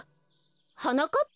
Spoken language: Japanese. はなかっぱ？